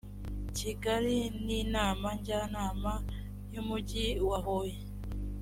kigali n inama njyanama y umujyi wa huye